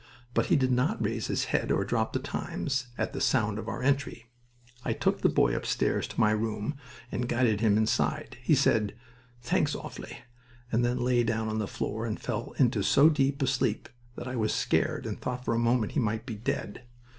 But he did not raise his head or drop The Times at the sound of our entry. I took the boy upstairs to my room and guided him inside. He said, "Thanks awfully," and then lay down on the floor and fell into so deep a sleep that I was scared and thought for a moment he might be dead.